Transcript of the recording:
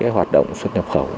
hoạt động xuất nhập khẩu